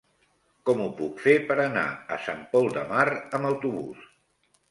Com ho puc fer per anar a Sant Pol de Mar amb autobús?